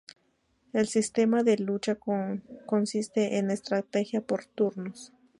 El sistema de lucha consiste en estrategia por turnos.